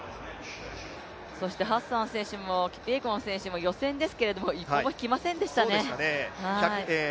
そしてハッサン選手もキピエゴン選手も予選でしたけど一歩も引きませんでしたね。